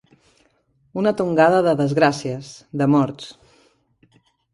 Una tongada de desgràcies, de morts.